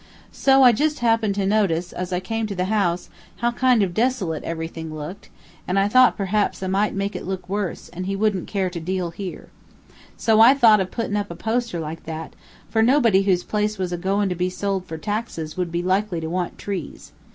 So I just happened to notice, as I came to the house, how kind of desolate everything looked, and I thought perhaps I might make it look worse, and he wouldn't care to deal here. So I thought of puttin' up a poster like that, for nobody whose place was a goin' to be sold for taxes would be likely to want trees.